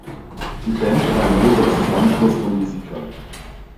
Die Band war ein loser Zusammenschluss von Musikern.